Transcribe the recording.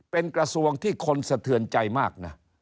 เป็นกระทรวงที่คนสะเทือนใจมากนะ